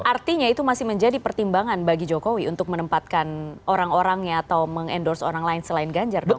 artinya itu masih menjadi pertimbangan bagi jokowi untuk menempatkan orang orangnya atau mengendorse orang lain selain ganjar dong